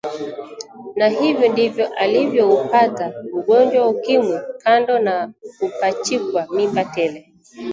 Na hivyo ndivyo alivyoupata ugonjwa wa ukimwi kando na kupachikwa mimba tele